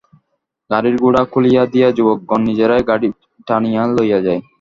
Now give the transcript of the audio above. গাড়ির ঘোড়া খুলিয়া দিয়া যুবকগণ নিজেরাই গাড়ি টানিয়া লইয়া যায়।